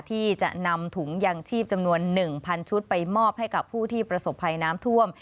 ที่จะนำถุงยางชีพจำนวน๑๐๐ชุดไปมอบให้กับผู้ที่ประสบภัยน้ำท่วม